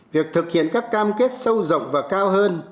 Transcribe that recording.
việc thực hiện các cam kết sâu rộng và cao hơn